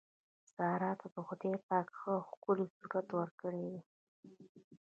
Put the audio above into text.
سارې ته خدای پاک ښه او ښکلی صورت ورکړی دی.